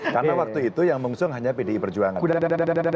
karena waktu itu yang mengusung hanya pdi perjuangan